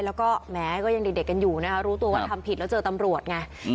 แล้วก็แม้ก็ยังเด็กกันอยู่นะคะรู้ตัวว่าทำผิดแล้วเจอตำรวจไง